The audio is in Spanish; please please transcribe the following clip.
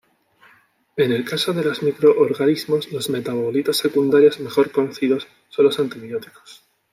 En el caso de los microorganismos, los metabolitos secundarios mejor conocidos son los antibióticos.